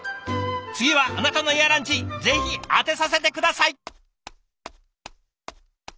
次はあなたのエアランチぜひ当てさせて下さい。